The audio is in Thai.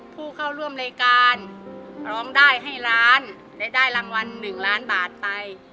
ผู้เข้าร่วมรายการร้องได้ให้ล้านและได้รางวัล๑ล้านบาทไป